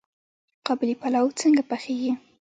قابلي پلاو څنګه پخیږي؟